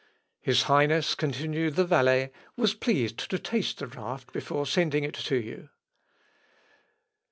"His highness," continued the valet, "was pleased to taste the draught before sending it to you."